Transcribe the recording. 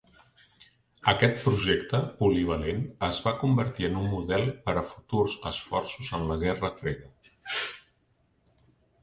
Aquest projecte polivalent es va convertir en un model per a futurs esforços en la guerra freda.